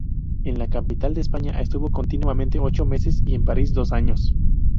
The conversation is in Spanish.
En la capital de España estuvo continuamente ocho meses y en París dos años.